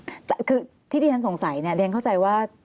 อืมแต่คือที่เรียนท่านสงสัยเนี่ยเรียนเข้าใจว่า